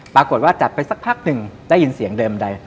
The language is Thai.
ปรากฏว่าจับไปสักพักหนึ่งได้ยินเสียงเดิมใด